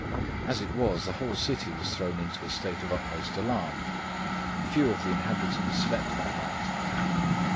As it was, the whole city was thrown into a state of the utmost alarm. Few of the inhabitants slept through the night.